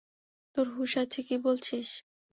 তোর হুশ আছে কি বলছিস?